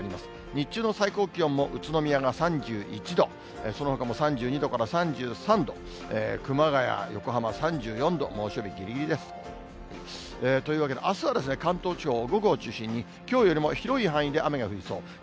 日中の最高気温も宇都宮が３１度、そのほかも３２度から３３度、熊谷、横浜３４度、猛暑日ぎりぎりです。というわけで、あすは関東地方、午後を中心にきょうよりも広い範囲で雨が降りそうです。